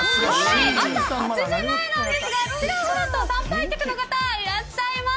朝８時前ですがちらほらと参拝客がいらっしゃいます。